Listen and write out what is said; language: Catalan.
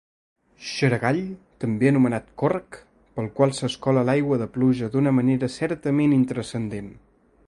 Xaragall també anomenat córrec, pel qual s'escola l'aigua de pluja d'una manera certament intranscendent.